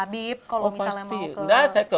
bip kalau misalnya mau ke rapat komisi